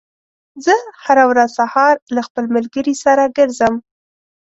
زه هره ورځ سهار له خپل ملګري سره ګرځم.